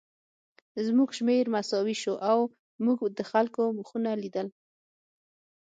زموږ شمېر مساوي شو او موږ د خلکو مخونه لیدل